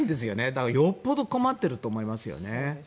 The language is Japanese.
だからよほど困っていると思いますね。